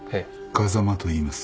風間といいます。